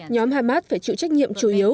nhóm hamas phải chịu trách nhiệm chủ yếu